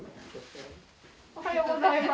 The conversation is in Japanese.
おはようございます。